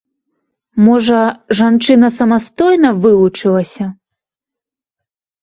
Можа, жанчына самастойна вылучылася?